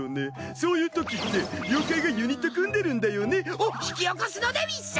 そういうときって妖怪がユニット組んでるんだよね。を引き起こすのでうぃす。